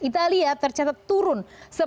italia tercatat turun